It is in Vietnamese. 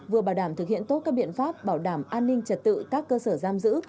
vừa bảo đảm thực hiện tốt các biện pháp bảo đảm an ninh trật tự các cơ sở giam giữ